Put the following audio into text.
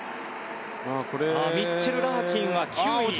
ミッチェル・ラーキンは９位。